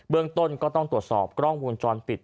เรื่องต้นก็ต้องตรวจสอบกล้องวงจรปิด